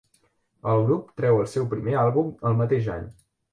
El grup treu el seu primer àlbum el mateix any.